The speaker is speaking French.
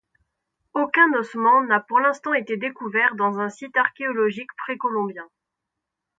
Aucun ossement n'a pour l'instant été découvert dans un site archéologique pré-colombien.